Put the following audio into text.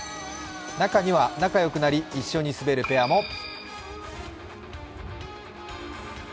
中には仲良くなり一緒に滑るペアも。